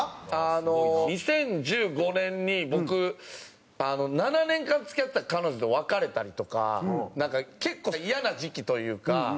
あの２０１５年に僕７年間付き合ってた彼女と別れたりとかなんか結構イヤな時期というか。